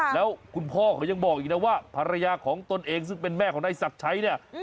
แล้วคุณพ่อเขายังบอกอีกนะว่าภรรยาของตนเองซึ่งเป็นแม่ของนายศักดิ์ชัยเนี่ย